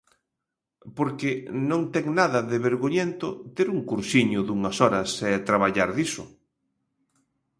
Porque non ten nada de vergoñento ter un cursiño dunhas horas e traballar diso.